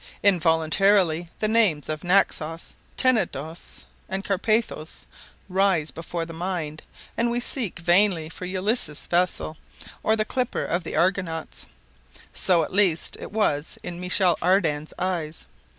Involuntarily the names of Naxos, Tenedos, and Carpathos, rise before the mind, and we seek vainly for Ulysses' vessel or the "clipper" of the Argonauts. So at least it was in Michel Ardan's eyes.